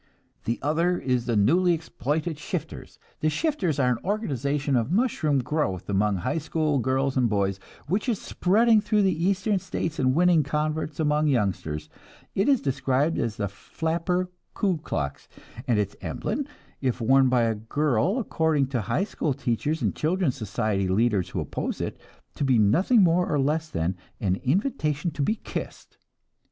"The other is the newly exploited 'shifters.' The 'shifters' are an organization of mushroom growth among high school girls and boys which is spreading through the eastern States and winning converts among youngsters. It is described as the 'flapper Ku Klux,' and its emblem, if worn by a girl, according to high school teachers and children's society leaders who oppose it, to be nothing more nor less than an invitation to be kissed.